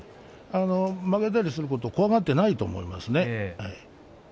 負けたりすることを怖がっていないと思います。